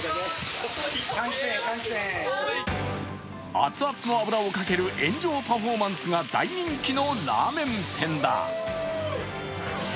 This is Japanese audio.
アツアツの油をかける炎上パフォーマンスが大人気のラーメン店だ。